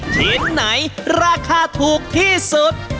ชิ้นไหนราคาถูกที่สุด